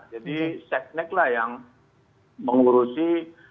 jadi sekne lah yang mengurusi